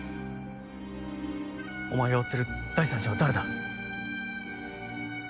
お前が追ってる第三者は誰だ？